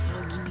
kalau gitu ya